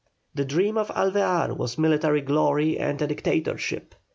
The dream of Alvear was military glory and a dictatorship.